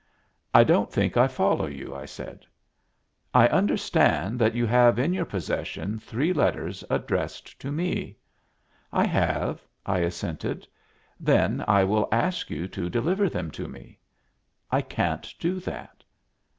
"I don't think I follow you," I said. "I understand that you have in your possession three letters addressed to me." "I have," I assented. "Then I will ask you to deliver them to me." "I can't do that."